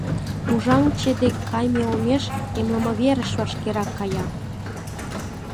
Мужаҥче дек кайыме олмеш эмлымверыш вашкерак кая.